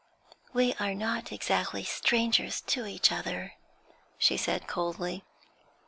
'We are not exactly strangers to each other,' she said, coldly.